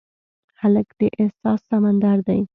هلک د احساس سمندر دی.